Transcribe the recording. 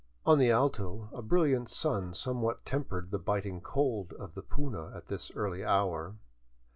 On the " Alto " a brilliant sun somewhat tempered the biting cold of the puna at this early hour.